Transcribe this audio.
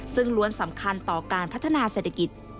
ซึ่งล้วนสำคัญต่อการพัฒนาเศรษฐกิจ